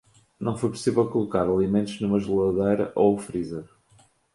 Não foi possível colocar alimentos em uma geladeira ou freezer.